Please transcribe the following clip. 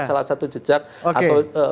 salah satu jejak atau